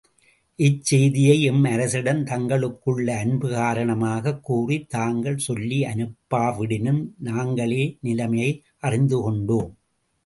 இச் செய்தியை எம் அரசனிடம் தங்களுக்குள்ள அன்பு காரணமாகக் கூறித் தாங்கள் சொல்லி அனுப்பாவிடினும், நாங்களே நிலைமையை அறிந்துகொண்டோம்.